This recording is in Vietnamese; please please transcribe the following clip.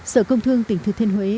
sở công thương tỉnh thừa thiên huế